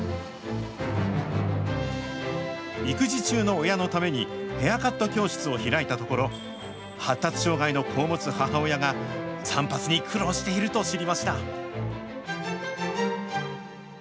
育児中の親のために、ヘアカット教室を開いたところ、発達障害の子を持つ母親が散髪に苦労していると知りました。